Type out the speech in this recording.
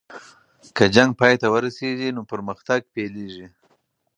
که جنګ پای ته ورسیږي نو پرمختګ پیلیږي.